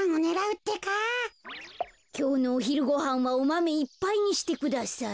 きょうのおひるごはんはおマメいっぱいにしてください。